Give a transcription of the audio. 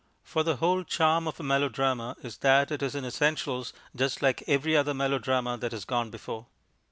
For the whole charm of a melodrama is that it is in essentials just like every other melodrama that has gone before.